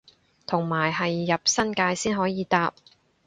同埋係入新界先可以搭